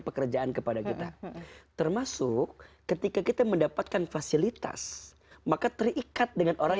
pekerjaan kepada kita termasuk ketika kita mendapatkan fasilitas maka terikat dengan orang